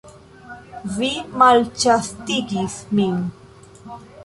Vi malĉastigis min!